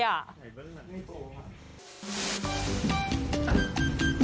ไหนบ้าง